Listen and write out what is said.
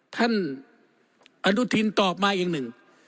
ท่านอนุทินตอบมาอย่างหนึ่ง